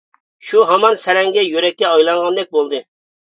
شۇ ھامان سەرەڭگە يۈرەككە ئايلانغاندەك بولدى.